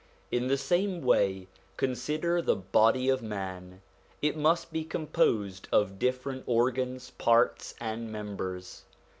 In the same way consider the body of man ; it must be composed of different organs, parts, and members.